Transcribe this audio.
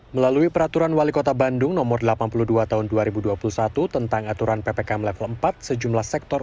melalui peraturan wali kota bandung no delapan puluh dua tahun dua ribu dua puluh satu tentang aturan ppkm level empat sejumlah sektor